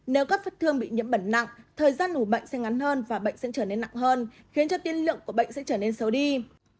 nếu các vết thương bị nhiễm bẩn nặng thời gian ủ bệnh sẽ ngắn hơn và bệnh sẽ trở nên nặng hơn khiến cho tiên lượng của bệnh sẽ trở nên xấu đi